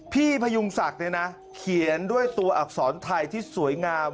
พยุงศักดิ์เนี่ยนะเขียนด้วยตัวอักษรไทยที่สวยงาม